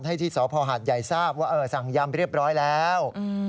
ให้ที่สพหาดใหญ่ทราบว่าสั่งยำเรียบร้อยแล้ว